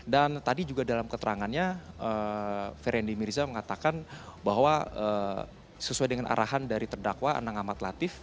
dan tadi juga dalam keterangannya feryandi mirza mengatakan bahwa sesuai dengan arahan dari terdakwa anang ahmad latif